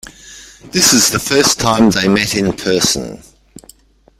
This is the first time they meet in person.